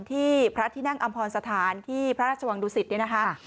ที่พระที่นั่งอำพรสถานที่พระราชวังดุสิตเนี่ยนะคะ